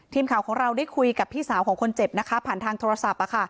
ทีมข่าวของเราได้คุยกับพี่สาวของคนเจ็บนะคะผ่านทางโทรศัพท์